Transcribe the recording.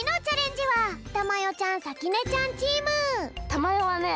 たまよはね